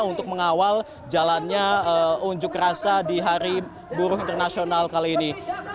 untuk mengawal jalannya unjuk rasa di hari buruh internasional kali ini